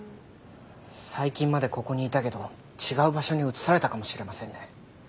最近までここにいたけど違う場所に移されたかもしれませんね。